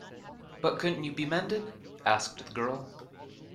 But couldn't you be mended? asked the girl.